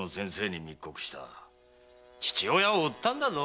父親を売ったんだぞ！